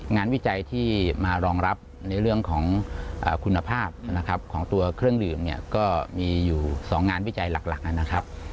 วิจัยที่มารองรับในเรื่องของคุณภาพนะครับของตัวเครื่องดื่มเนี่ยก็มีอยู่๒งานวิจัยหลักนะครับ